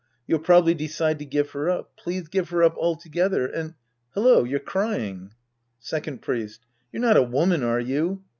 You'll probably decide to give her up. Please give her up altogether and — hello, you're crying. Second Priest. You're not a woman, are you